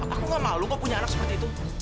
aku nggak malu kau punya anak seperti itu